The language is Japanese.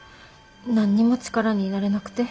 何にも力になれなくて。